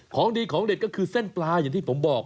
ของดีของเด็ดก็คือเส้นปลาอย่างที่ผมบอก